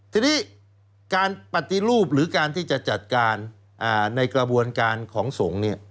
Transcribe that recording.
ทีนี้การปฏิรูปหรือการที่จะจัดการในกระบวนการของสงฆ์